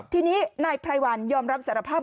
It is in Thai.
ทีนี้นายไพรวัลยอมรับสารภาพ